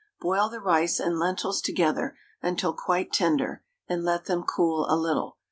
Boil the rice and lentils together until quite tender, and let them cool a little.